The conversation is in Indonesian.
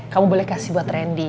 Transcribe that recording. kamu boleh kasih buat randy